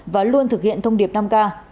và luôn thực hiện thông điệp năm k